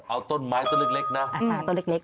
เอาต้นไม้ต้นเล็ก